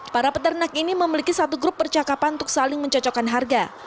para peternak ini memiliki satu grup percakapan untuk saling mencocokkan harga